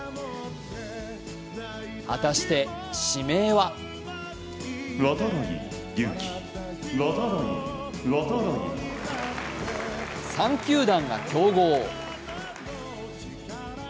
果たして指名は３球団が競合。